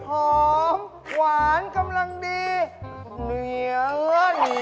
หอมหวานกำลังดีเหนียวไม่เมื่อ